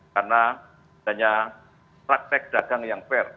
karena hanya praktek dagang yang fair